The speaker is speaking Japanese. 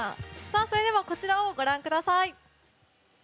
それではこちらをご覧ください。